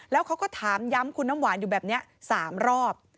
แล้วเขาก็ถามย้ำคุณน้ำหวานอยู่แบบนี้๓รอบ